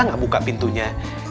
nggak buka pintunya